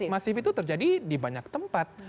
masif itu terjadi di banyak tempat